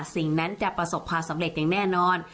สิ่งนั้นจะประสบความสำเร็จอย่างแน่นอน